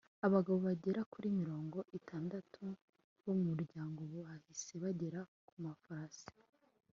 abagabo bagera kuri mirongo itandatu bo mu muryango bahise bagera ku mafarashi